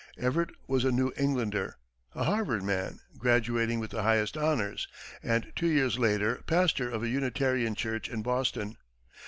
Everett was a New Englander; a Harvard man, graduating with the highest honors; and two years later, pastor of a Unitarian church in Boston.